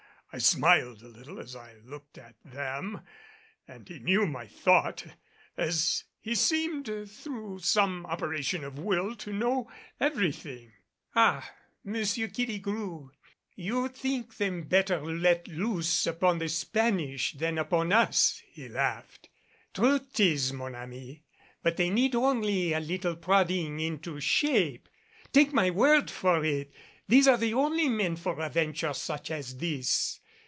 I smiled a little as I looked at them and he knew my thought, as he seemed, through some operation of will, to know everything. "Ah! M. Killigrew, you think them better let loose upon the Spanish than upon us." He laughed. "True it is, mon ami, but they need only a little prodding into shape. Take my word for it, these are the only men for a venture such as this.